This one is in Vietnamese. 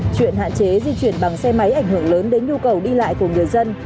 chuyện hạn chế di chuyển bằng xe máy ảnh hưởng lớn đến nhu cầu đi lại của người dân